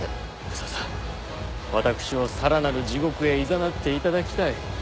ささ私をさらなる地獄へいざなっていただきたい。